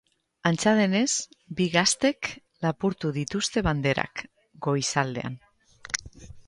Antza denez, bi gaztek lapurtu dituzte banderak, goizaldean.